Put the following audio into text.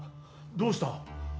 どうした？